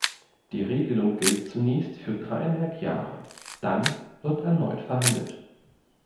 Die Regelung gilt zunächst für dreieinhalb Jahre, dann wird erneut verhandelt.